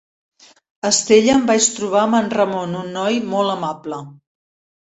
A Estella em vaig trobar amb en Ramon, un noi molt amable.